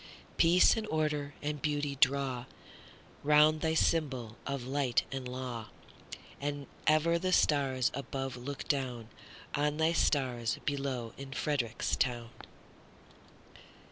Peace and order and beauty drawRound thy symbol of light and law; And ever the stars above look downOn thy stars below in Frederick town!